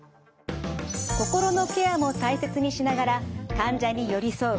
心のケアも大切にしながら患者に寄り添う